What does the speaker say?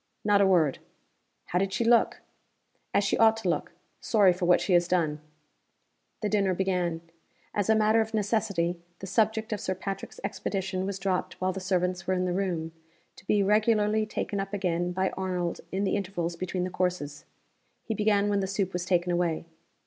"Not a word." "How did she look?" "As she ought to look sorry for what she has done." The dinner began. As a matter of necessity, the subject of Sir Patrick's expedition was dropped while the servants were in the room to be regularly taken up again by Arnold in the intervals between the courses. He began when the soup was taken away.